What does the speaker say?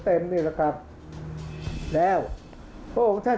ภาคอีสานแห้งแรง